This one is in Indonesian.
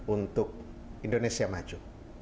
untuk indonesia maju